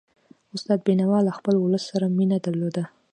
استاد بينوا له خپل ولس سره مینه درلودله.